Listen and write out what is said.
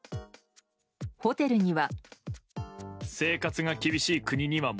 ホテルには。